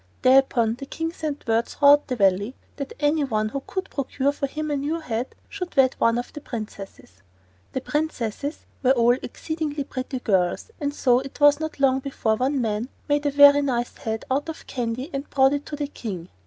Thereupon the King sent word throughout the Valley that any one who could procure for him a new head should wed one of the princesses. The princesses were all exceedingly pretty girls, and so it was not long before one man made a very nice head out of candy and brought it to the King.